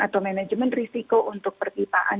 atau management risiko untuk pertipaan